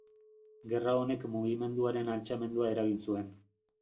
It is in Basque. Gerra honek mugimenduaren altxamendua eragin zuen.